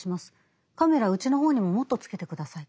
カメラうちの方にももっとつけて下さい。